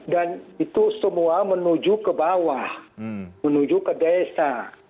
dan itu semua menuju ke bawah menuju ke desa